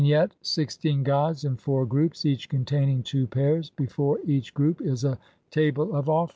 ] Vignette : Sixteen gods in four groups , each containing two pairs ; before each group is a table of offerings.